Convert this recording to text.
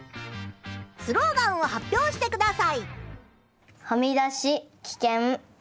スローガンを発表してください。